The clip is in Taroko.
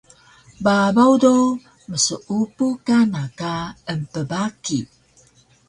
Babaw do mseupu kana ka empbaki